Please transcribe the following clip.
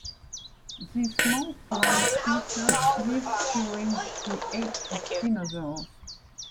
These small plant-eaters lived during the "age of the dinosaurs".